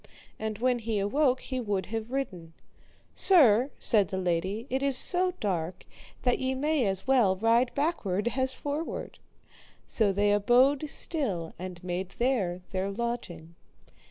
And when he awoke he would have ridden. Sir, said the lady, it is so dark that ye may as well ride backward as forward. So they abode still and made there their lodging.